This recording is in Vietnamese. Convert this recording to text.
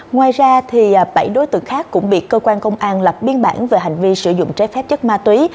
ngoài ra bảy đối tượng khác cũng bị cơ quan công an lập biên bản về hành vi sử dụng trái phép chất ma túy